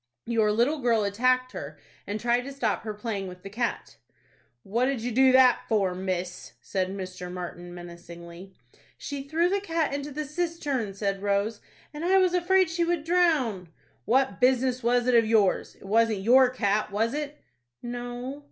"Your little girl attacked her, and tried to stop her playing with the cat." "What did you do that for, miss?" said Mr. Martin, menacingly. "She threw the cat into the cistern," said Rose; "and I was afraid she would drown." "What business was it of yours? It wasn't your cat, was it?" "No."